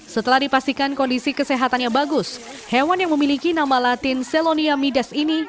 setelah dipastikan kondisi kesehatannya bagus hewan yang memiliki nama latin celonia midas ini